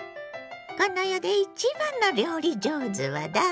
この世で一番の料理上手はだれ？